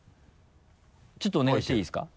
ちょっとお願いしていいですか？